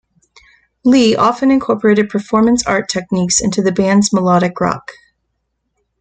Lee often incorporated performance art techniques into the band's melodic rock.